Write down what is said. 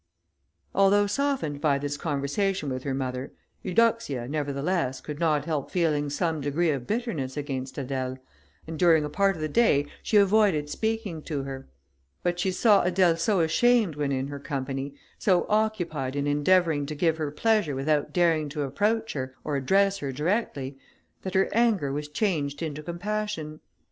Although softened by this conversation with her mother, Eudoxia, nevertheless, could not help feeling some degree of bitterness against Adèle, and during a part of the day she avoided speaking to her. But she saw Adèle so ashamed when in her company, so occupied in endeavouring to give her pleasure without daring to approach her, or address her directly, that her anger was changed into compassion.